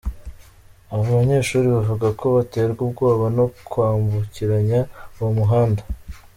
Abo banyeshuri bavuga ko baterwa ubwoba no kwambukiranya uwo muhanda.